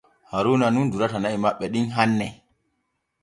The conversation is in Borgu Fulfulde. Haaruuna nun durata na’i maɓɓe ɗin hanne.